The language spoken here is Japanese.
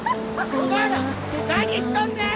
お前ら何しとんねん！